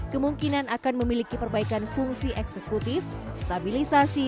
kemungkinan akan memiliki perbaikan fungsi eksekutif stabilisasi